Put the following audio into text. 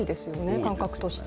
感覚として。